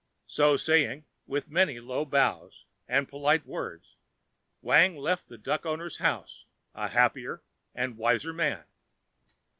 So saying, with many low bows and polite words, Wang left the duck owner's house, a happier and a wiser man.